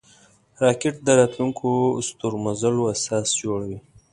راکټ د راتلونکو ستورمزلو اساس جوړوي